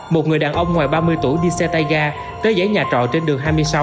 một người đàn ông ngoài ba mươi tuổi đi xe tay ga tới giải nhà trọ trên đường hai mươi sáu